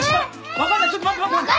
分かんないちょっと待って待って待って。